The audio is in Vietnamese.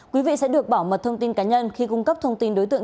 quý vị sẽ được bảo mật thông tin cá nhân khi cung cấp thông tin đối tượng